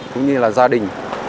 cũng như là gia đình